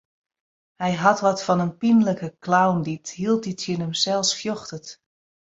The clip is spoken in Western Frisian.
Hy hat wat fan in pynlike clown dy't hieltyd tsjin himsels fjochtet.